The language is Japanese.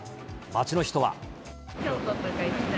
街の人は。